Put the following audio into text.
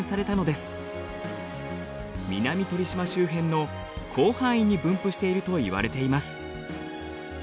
南鳥島周辺の広範囲に分布しているといわれています。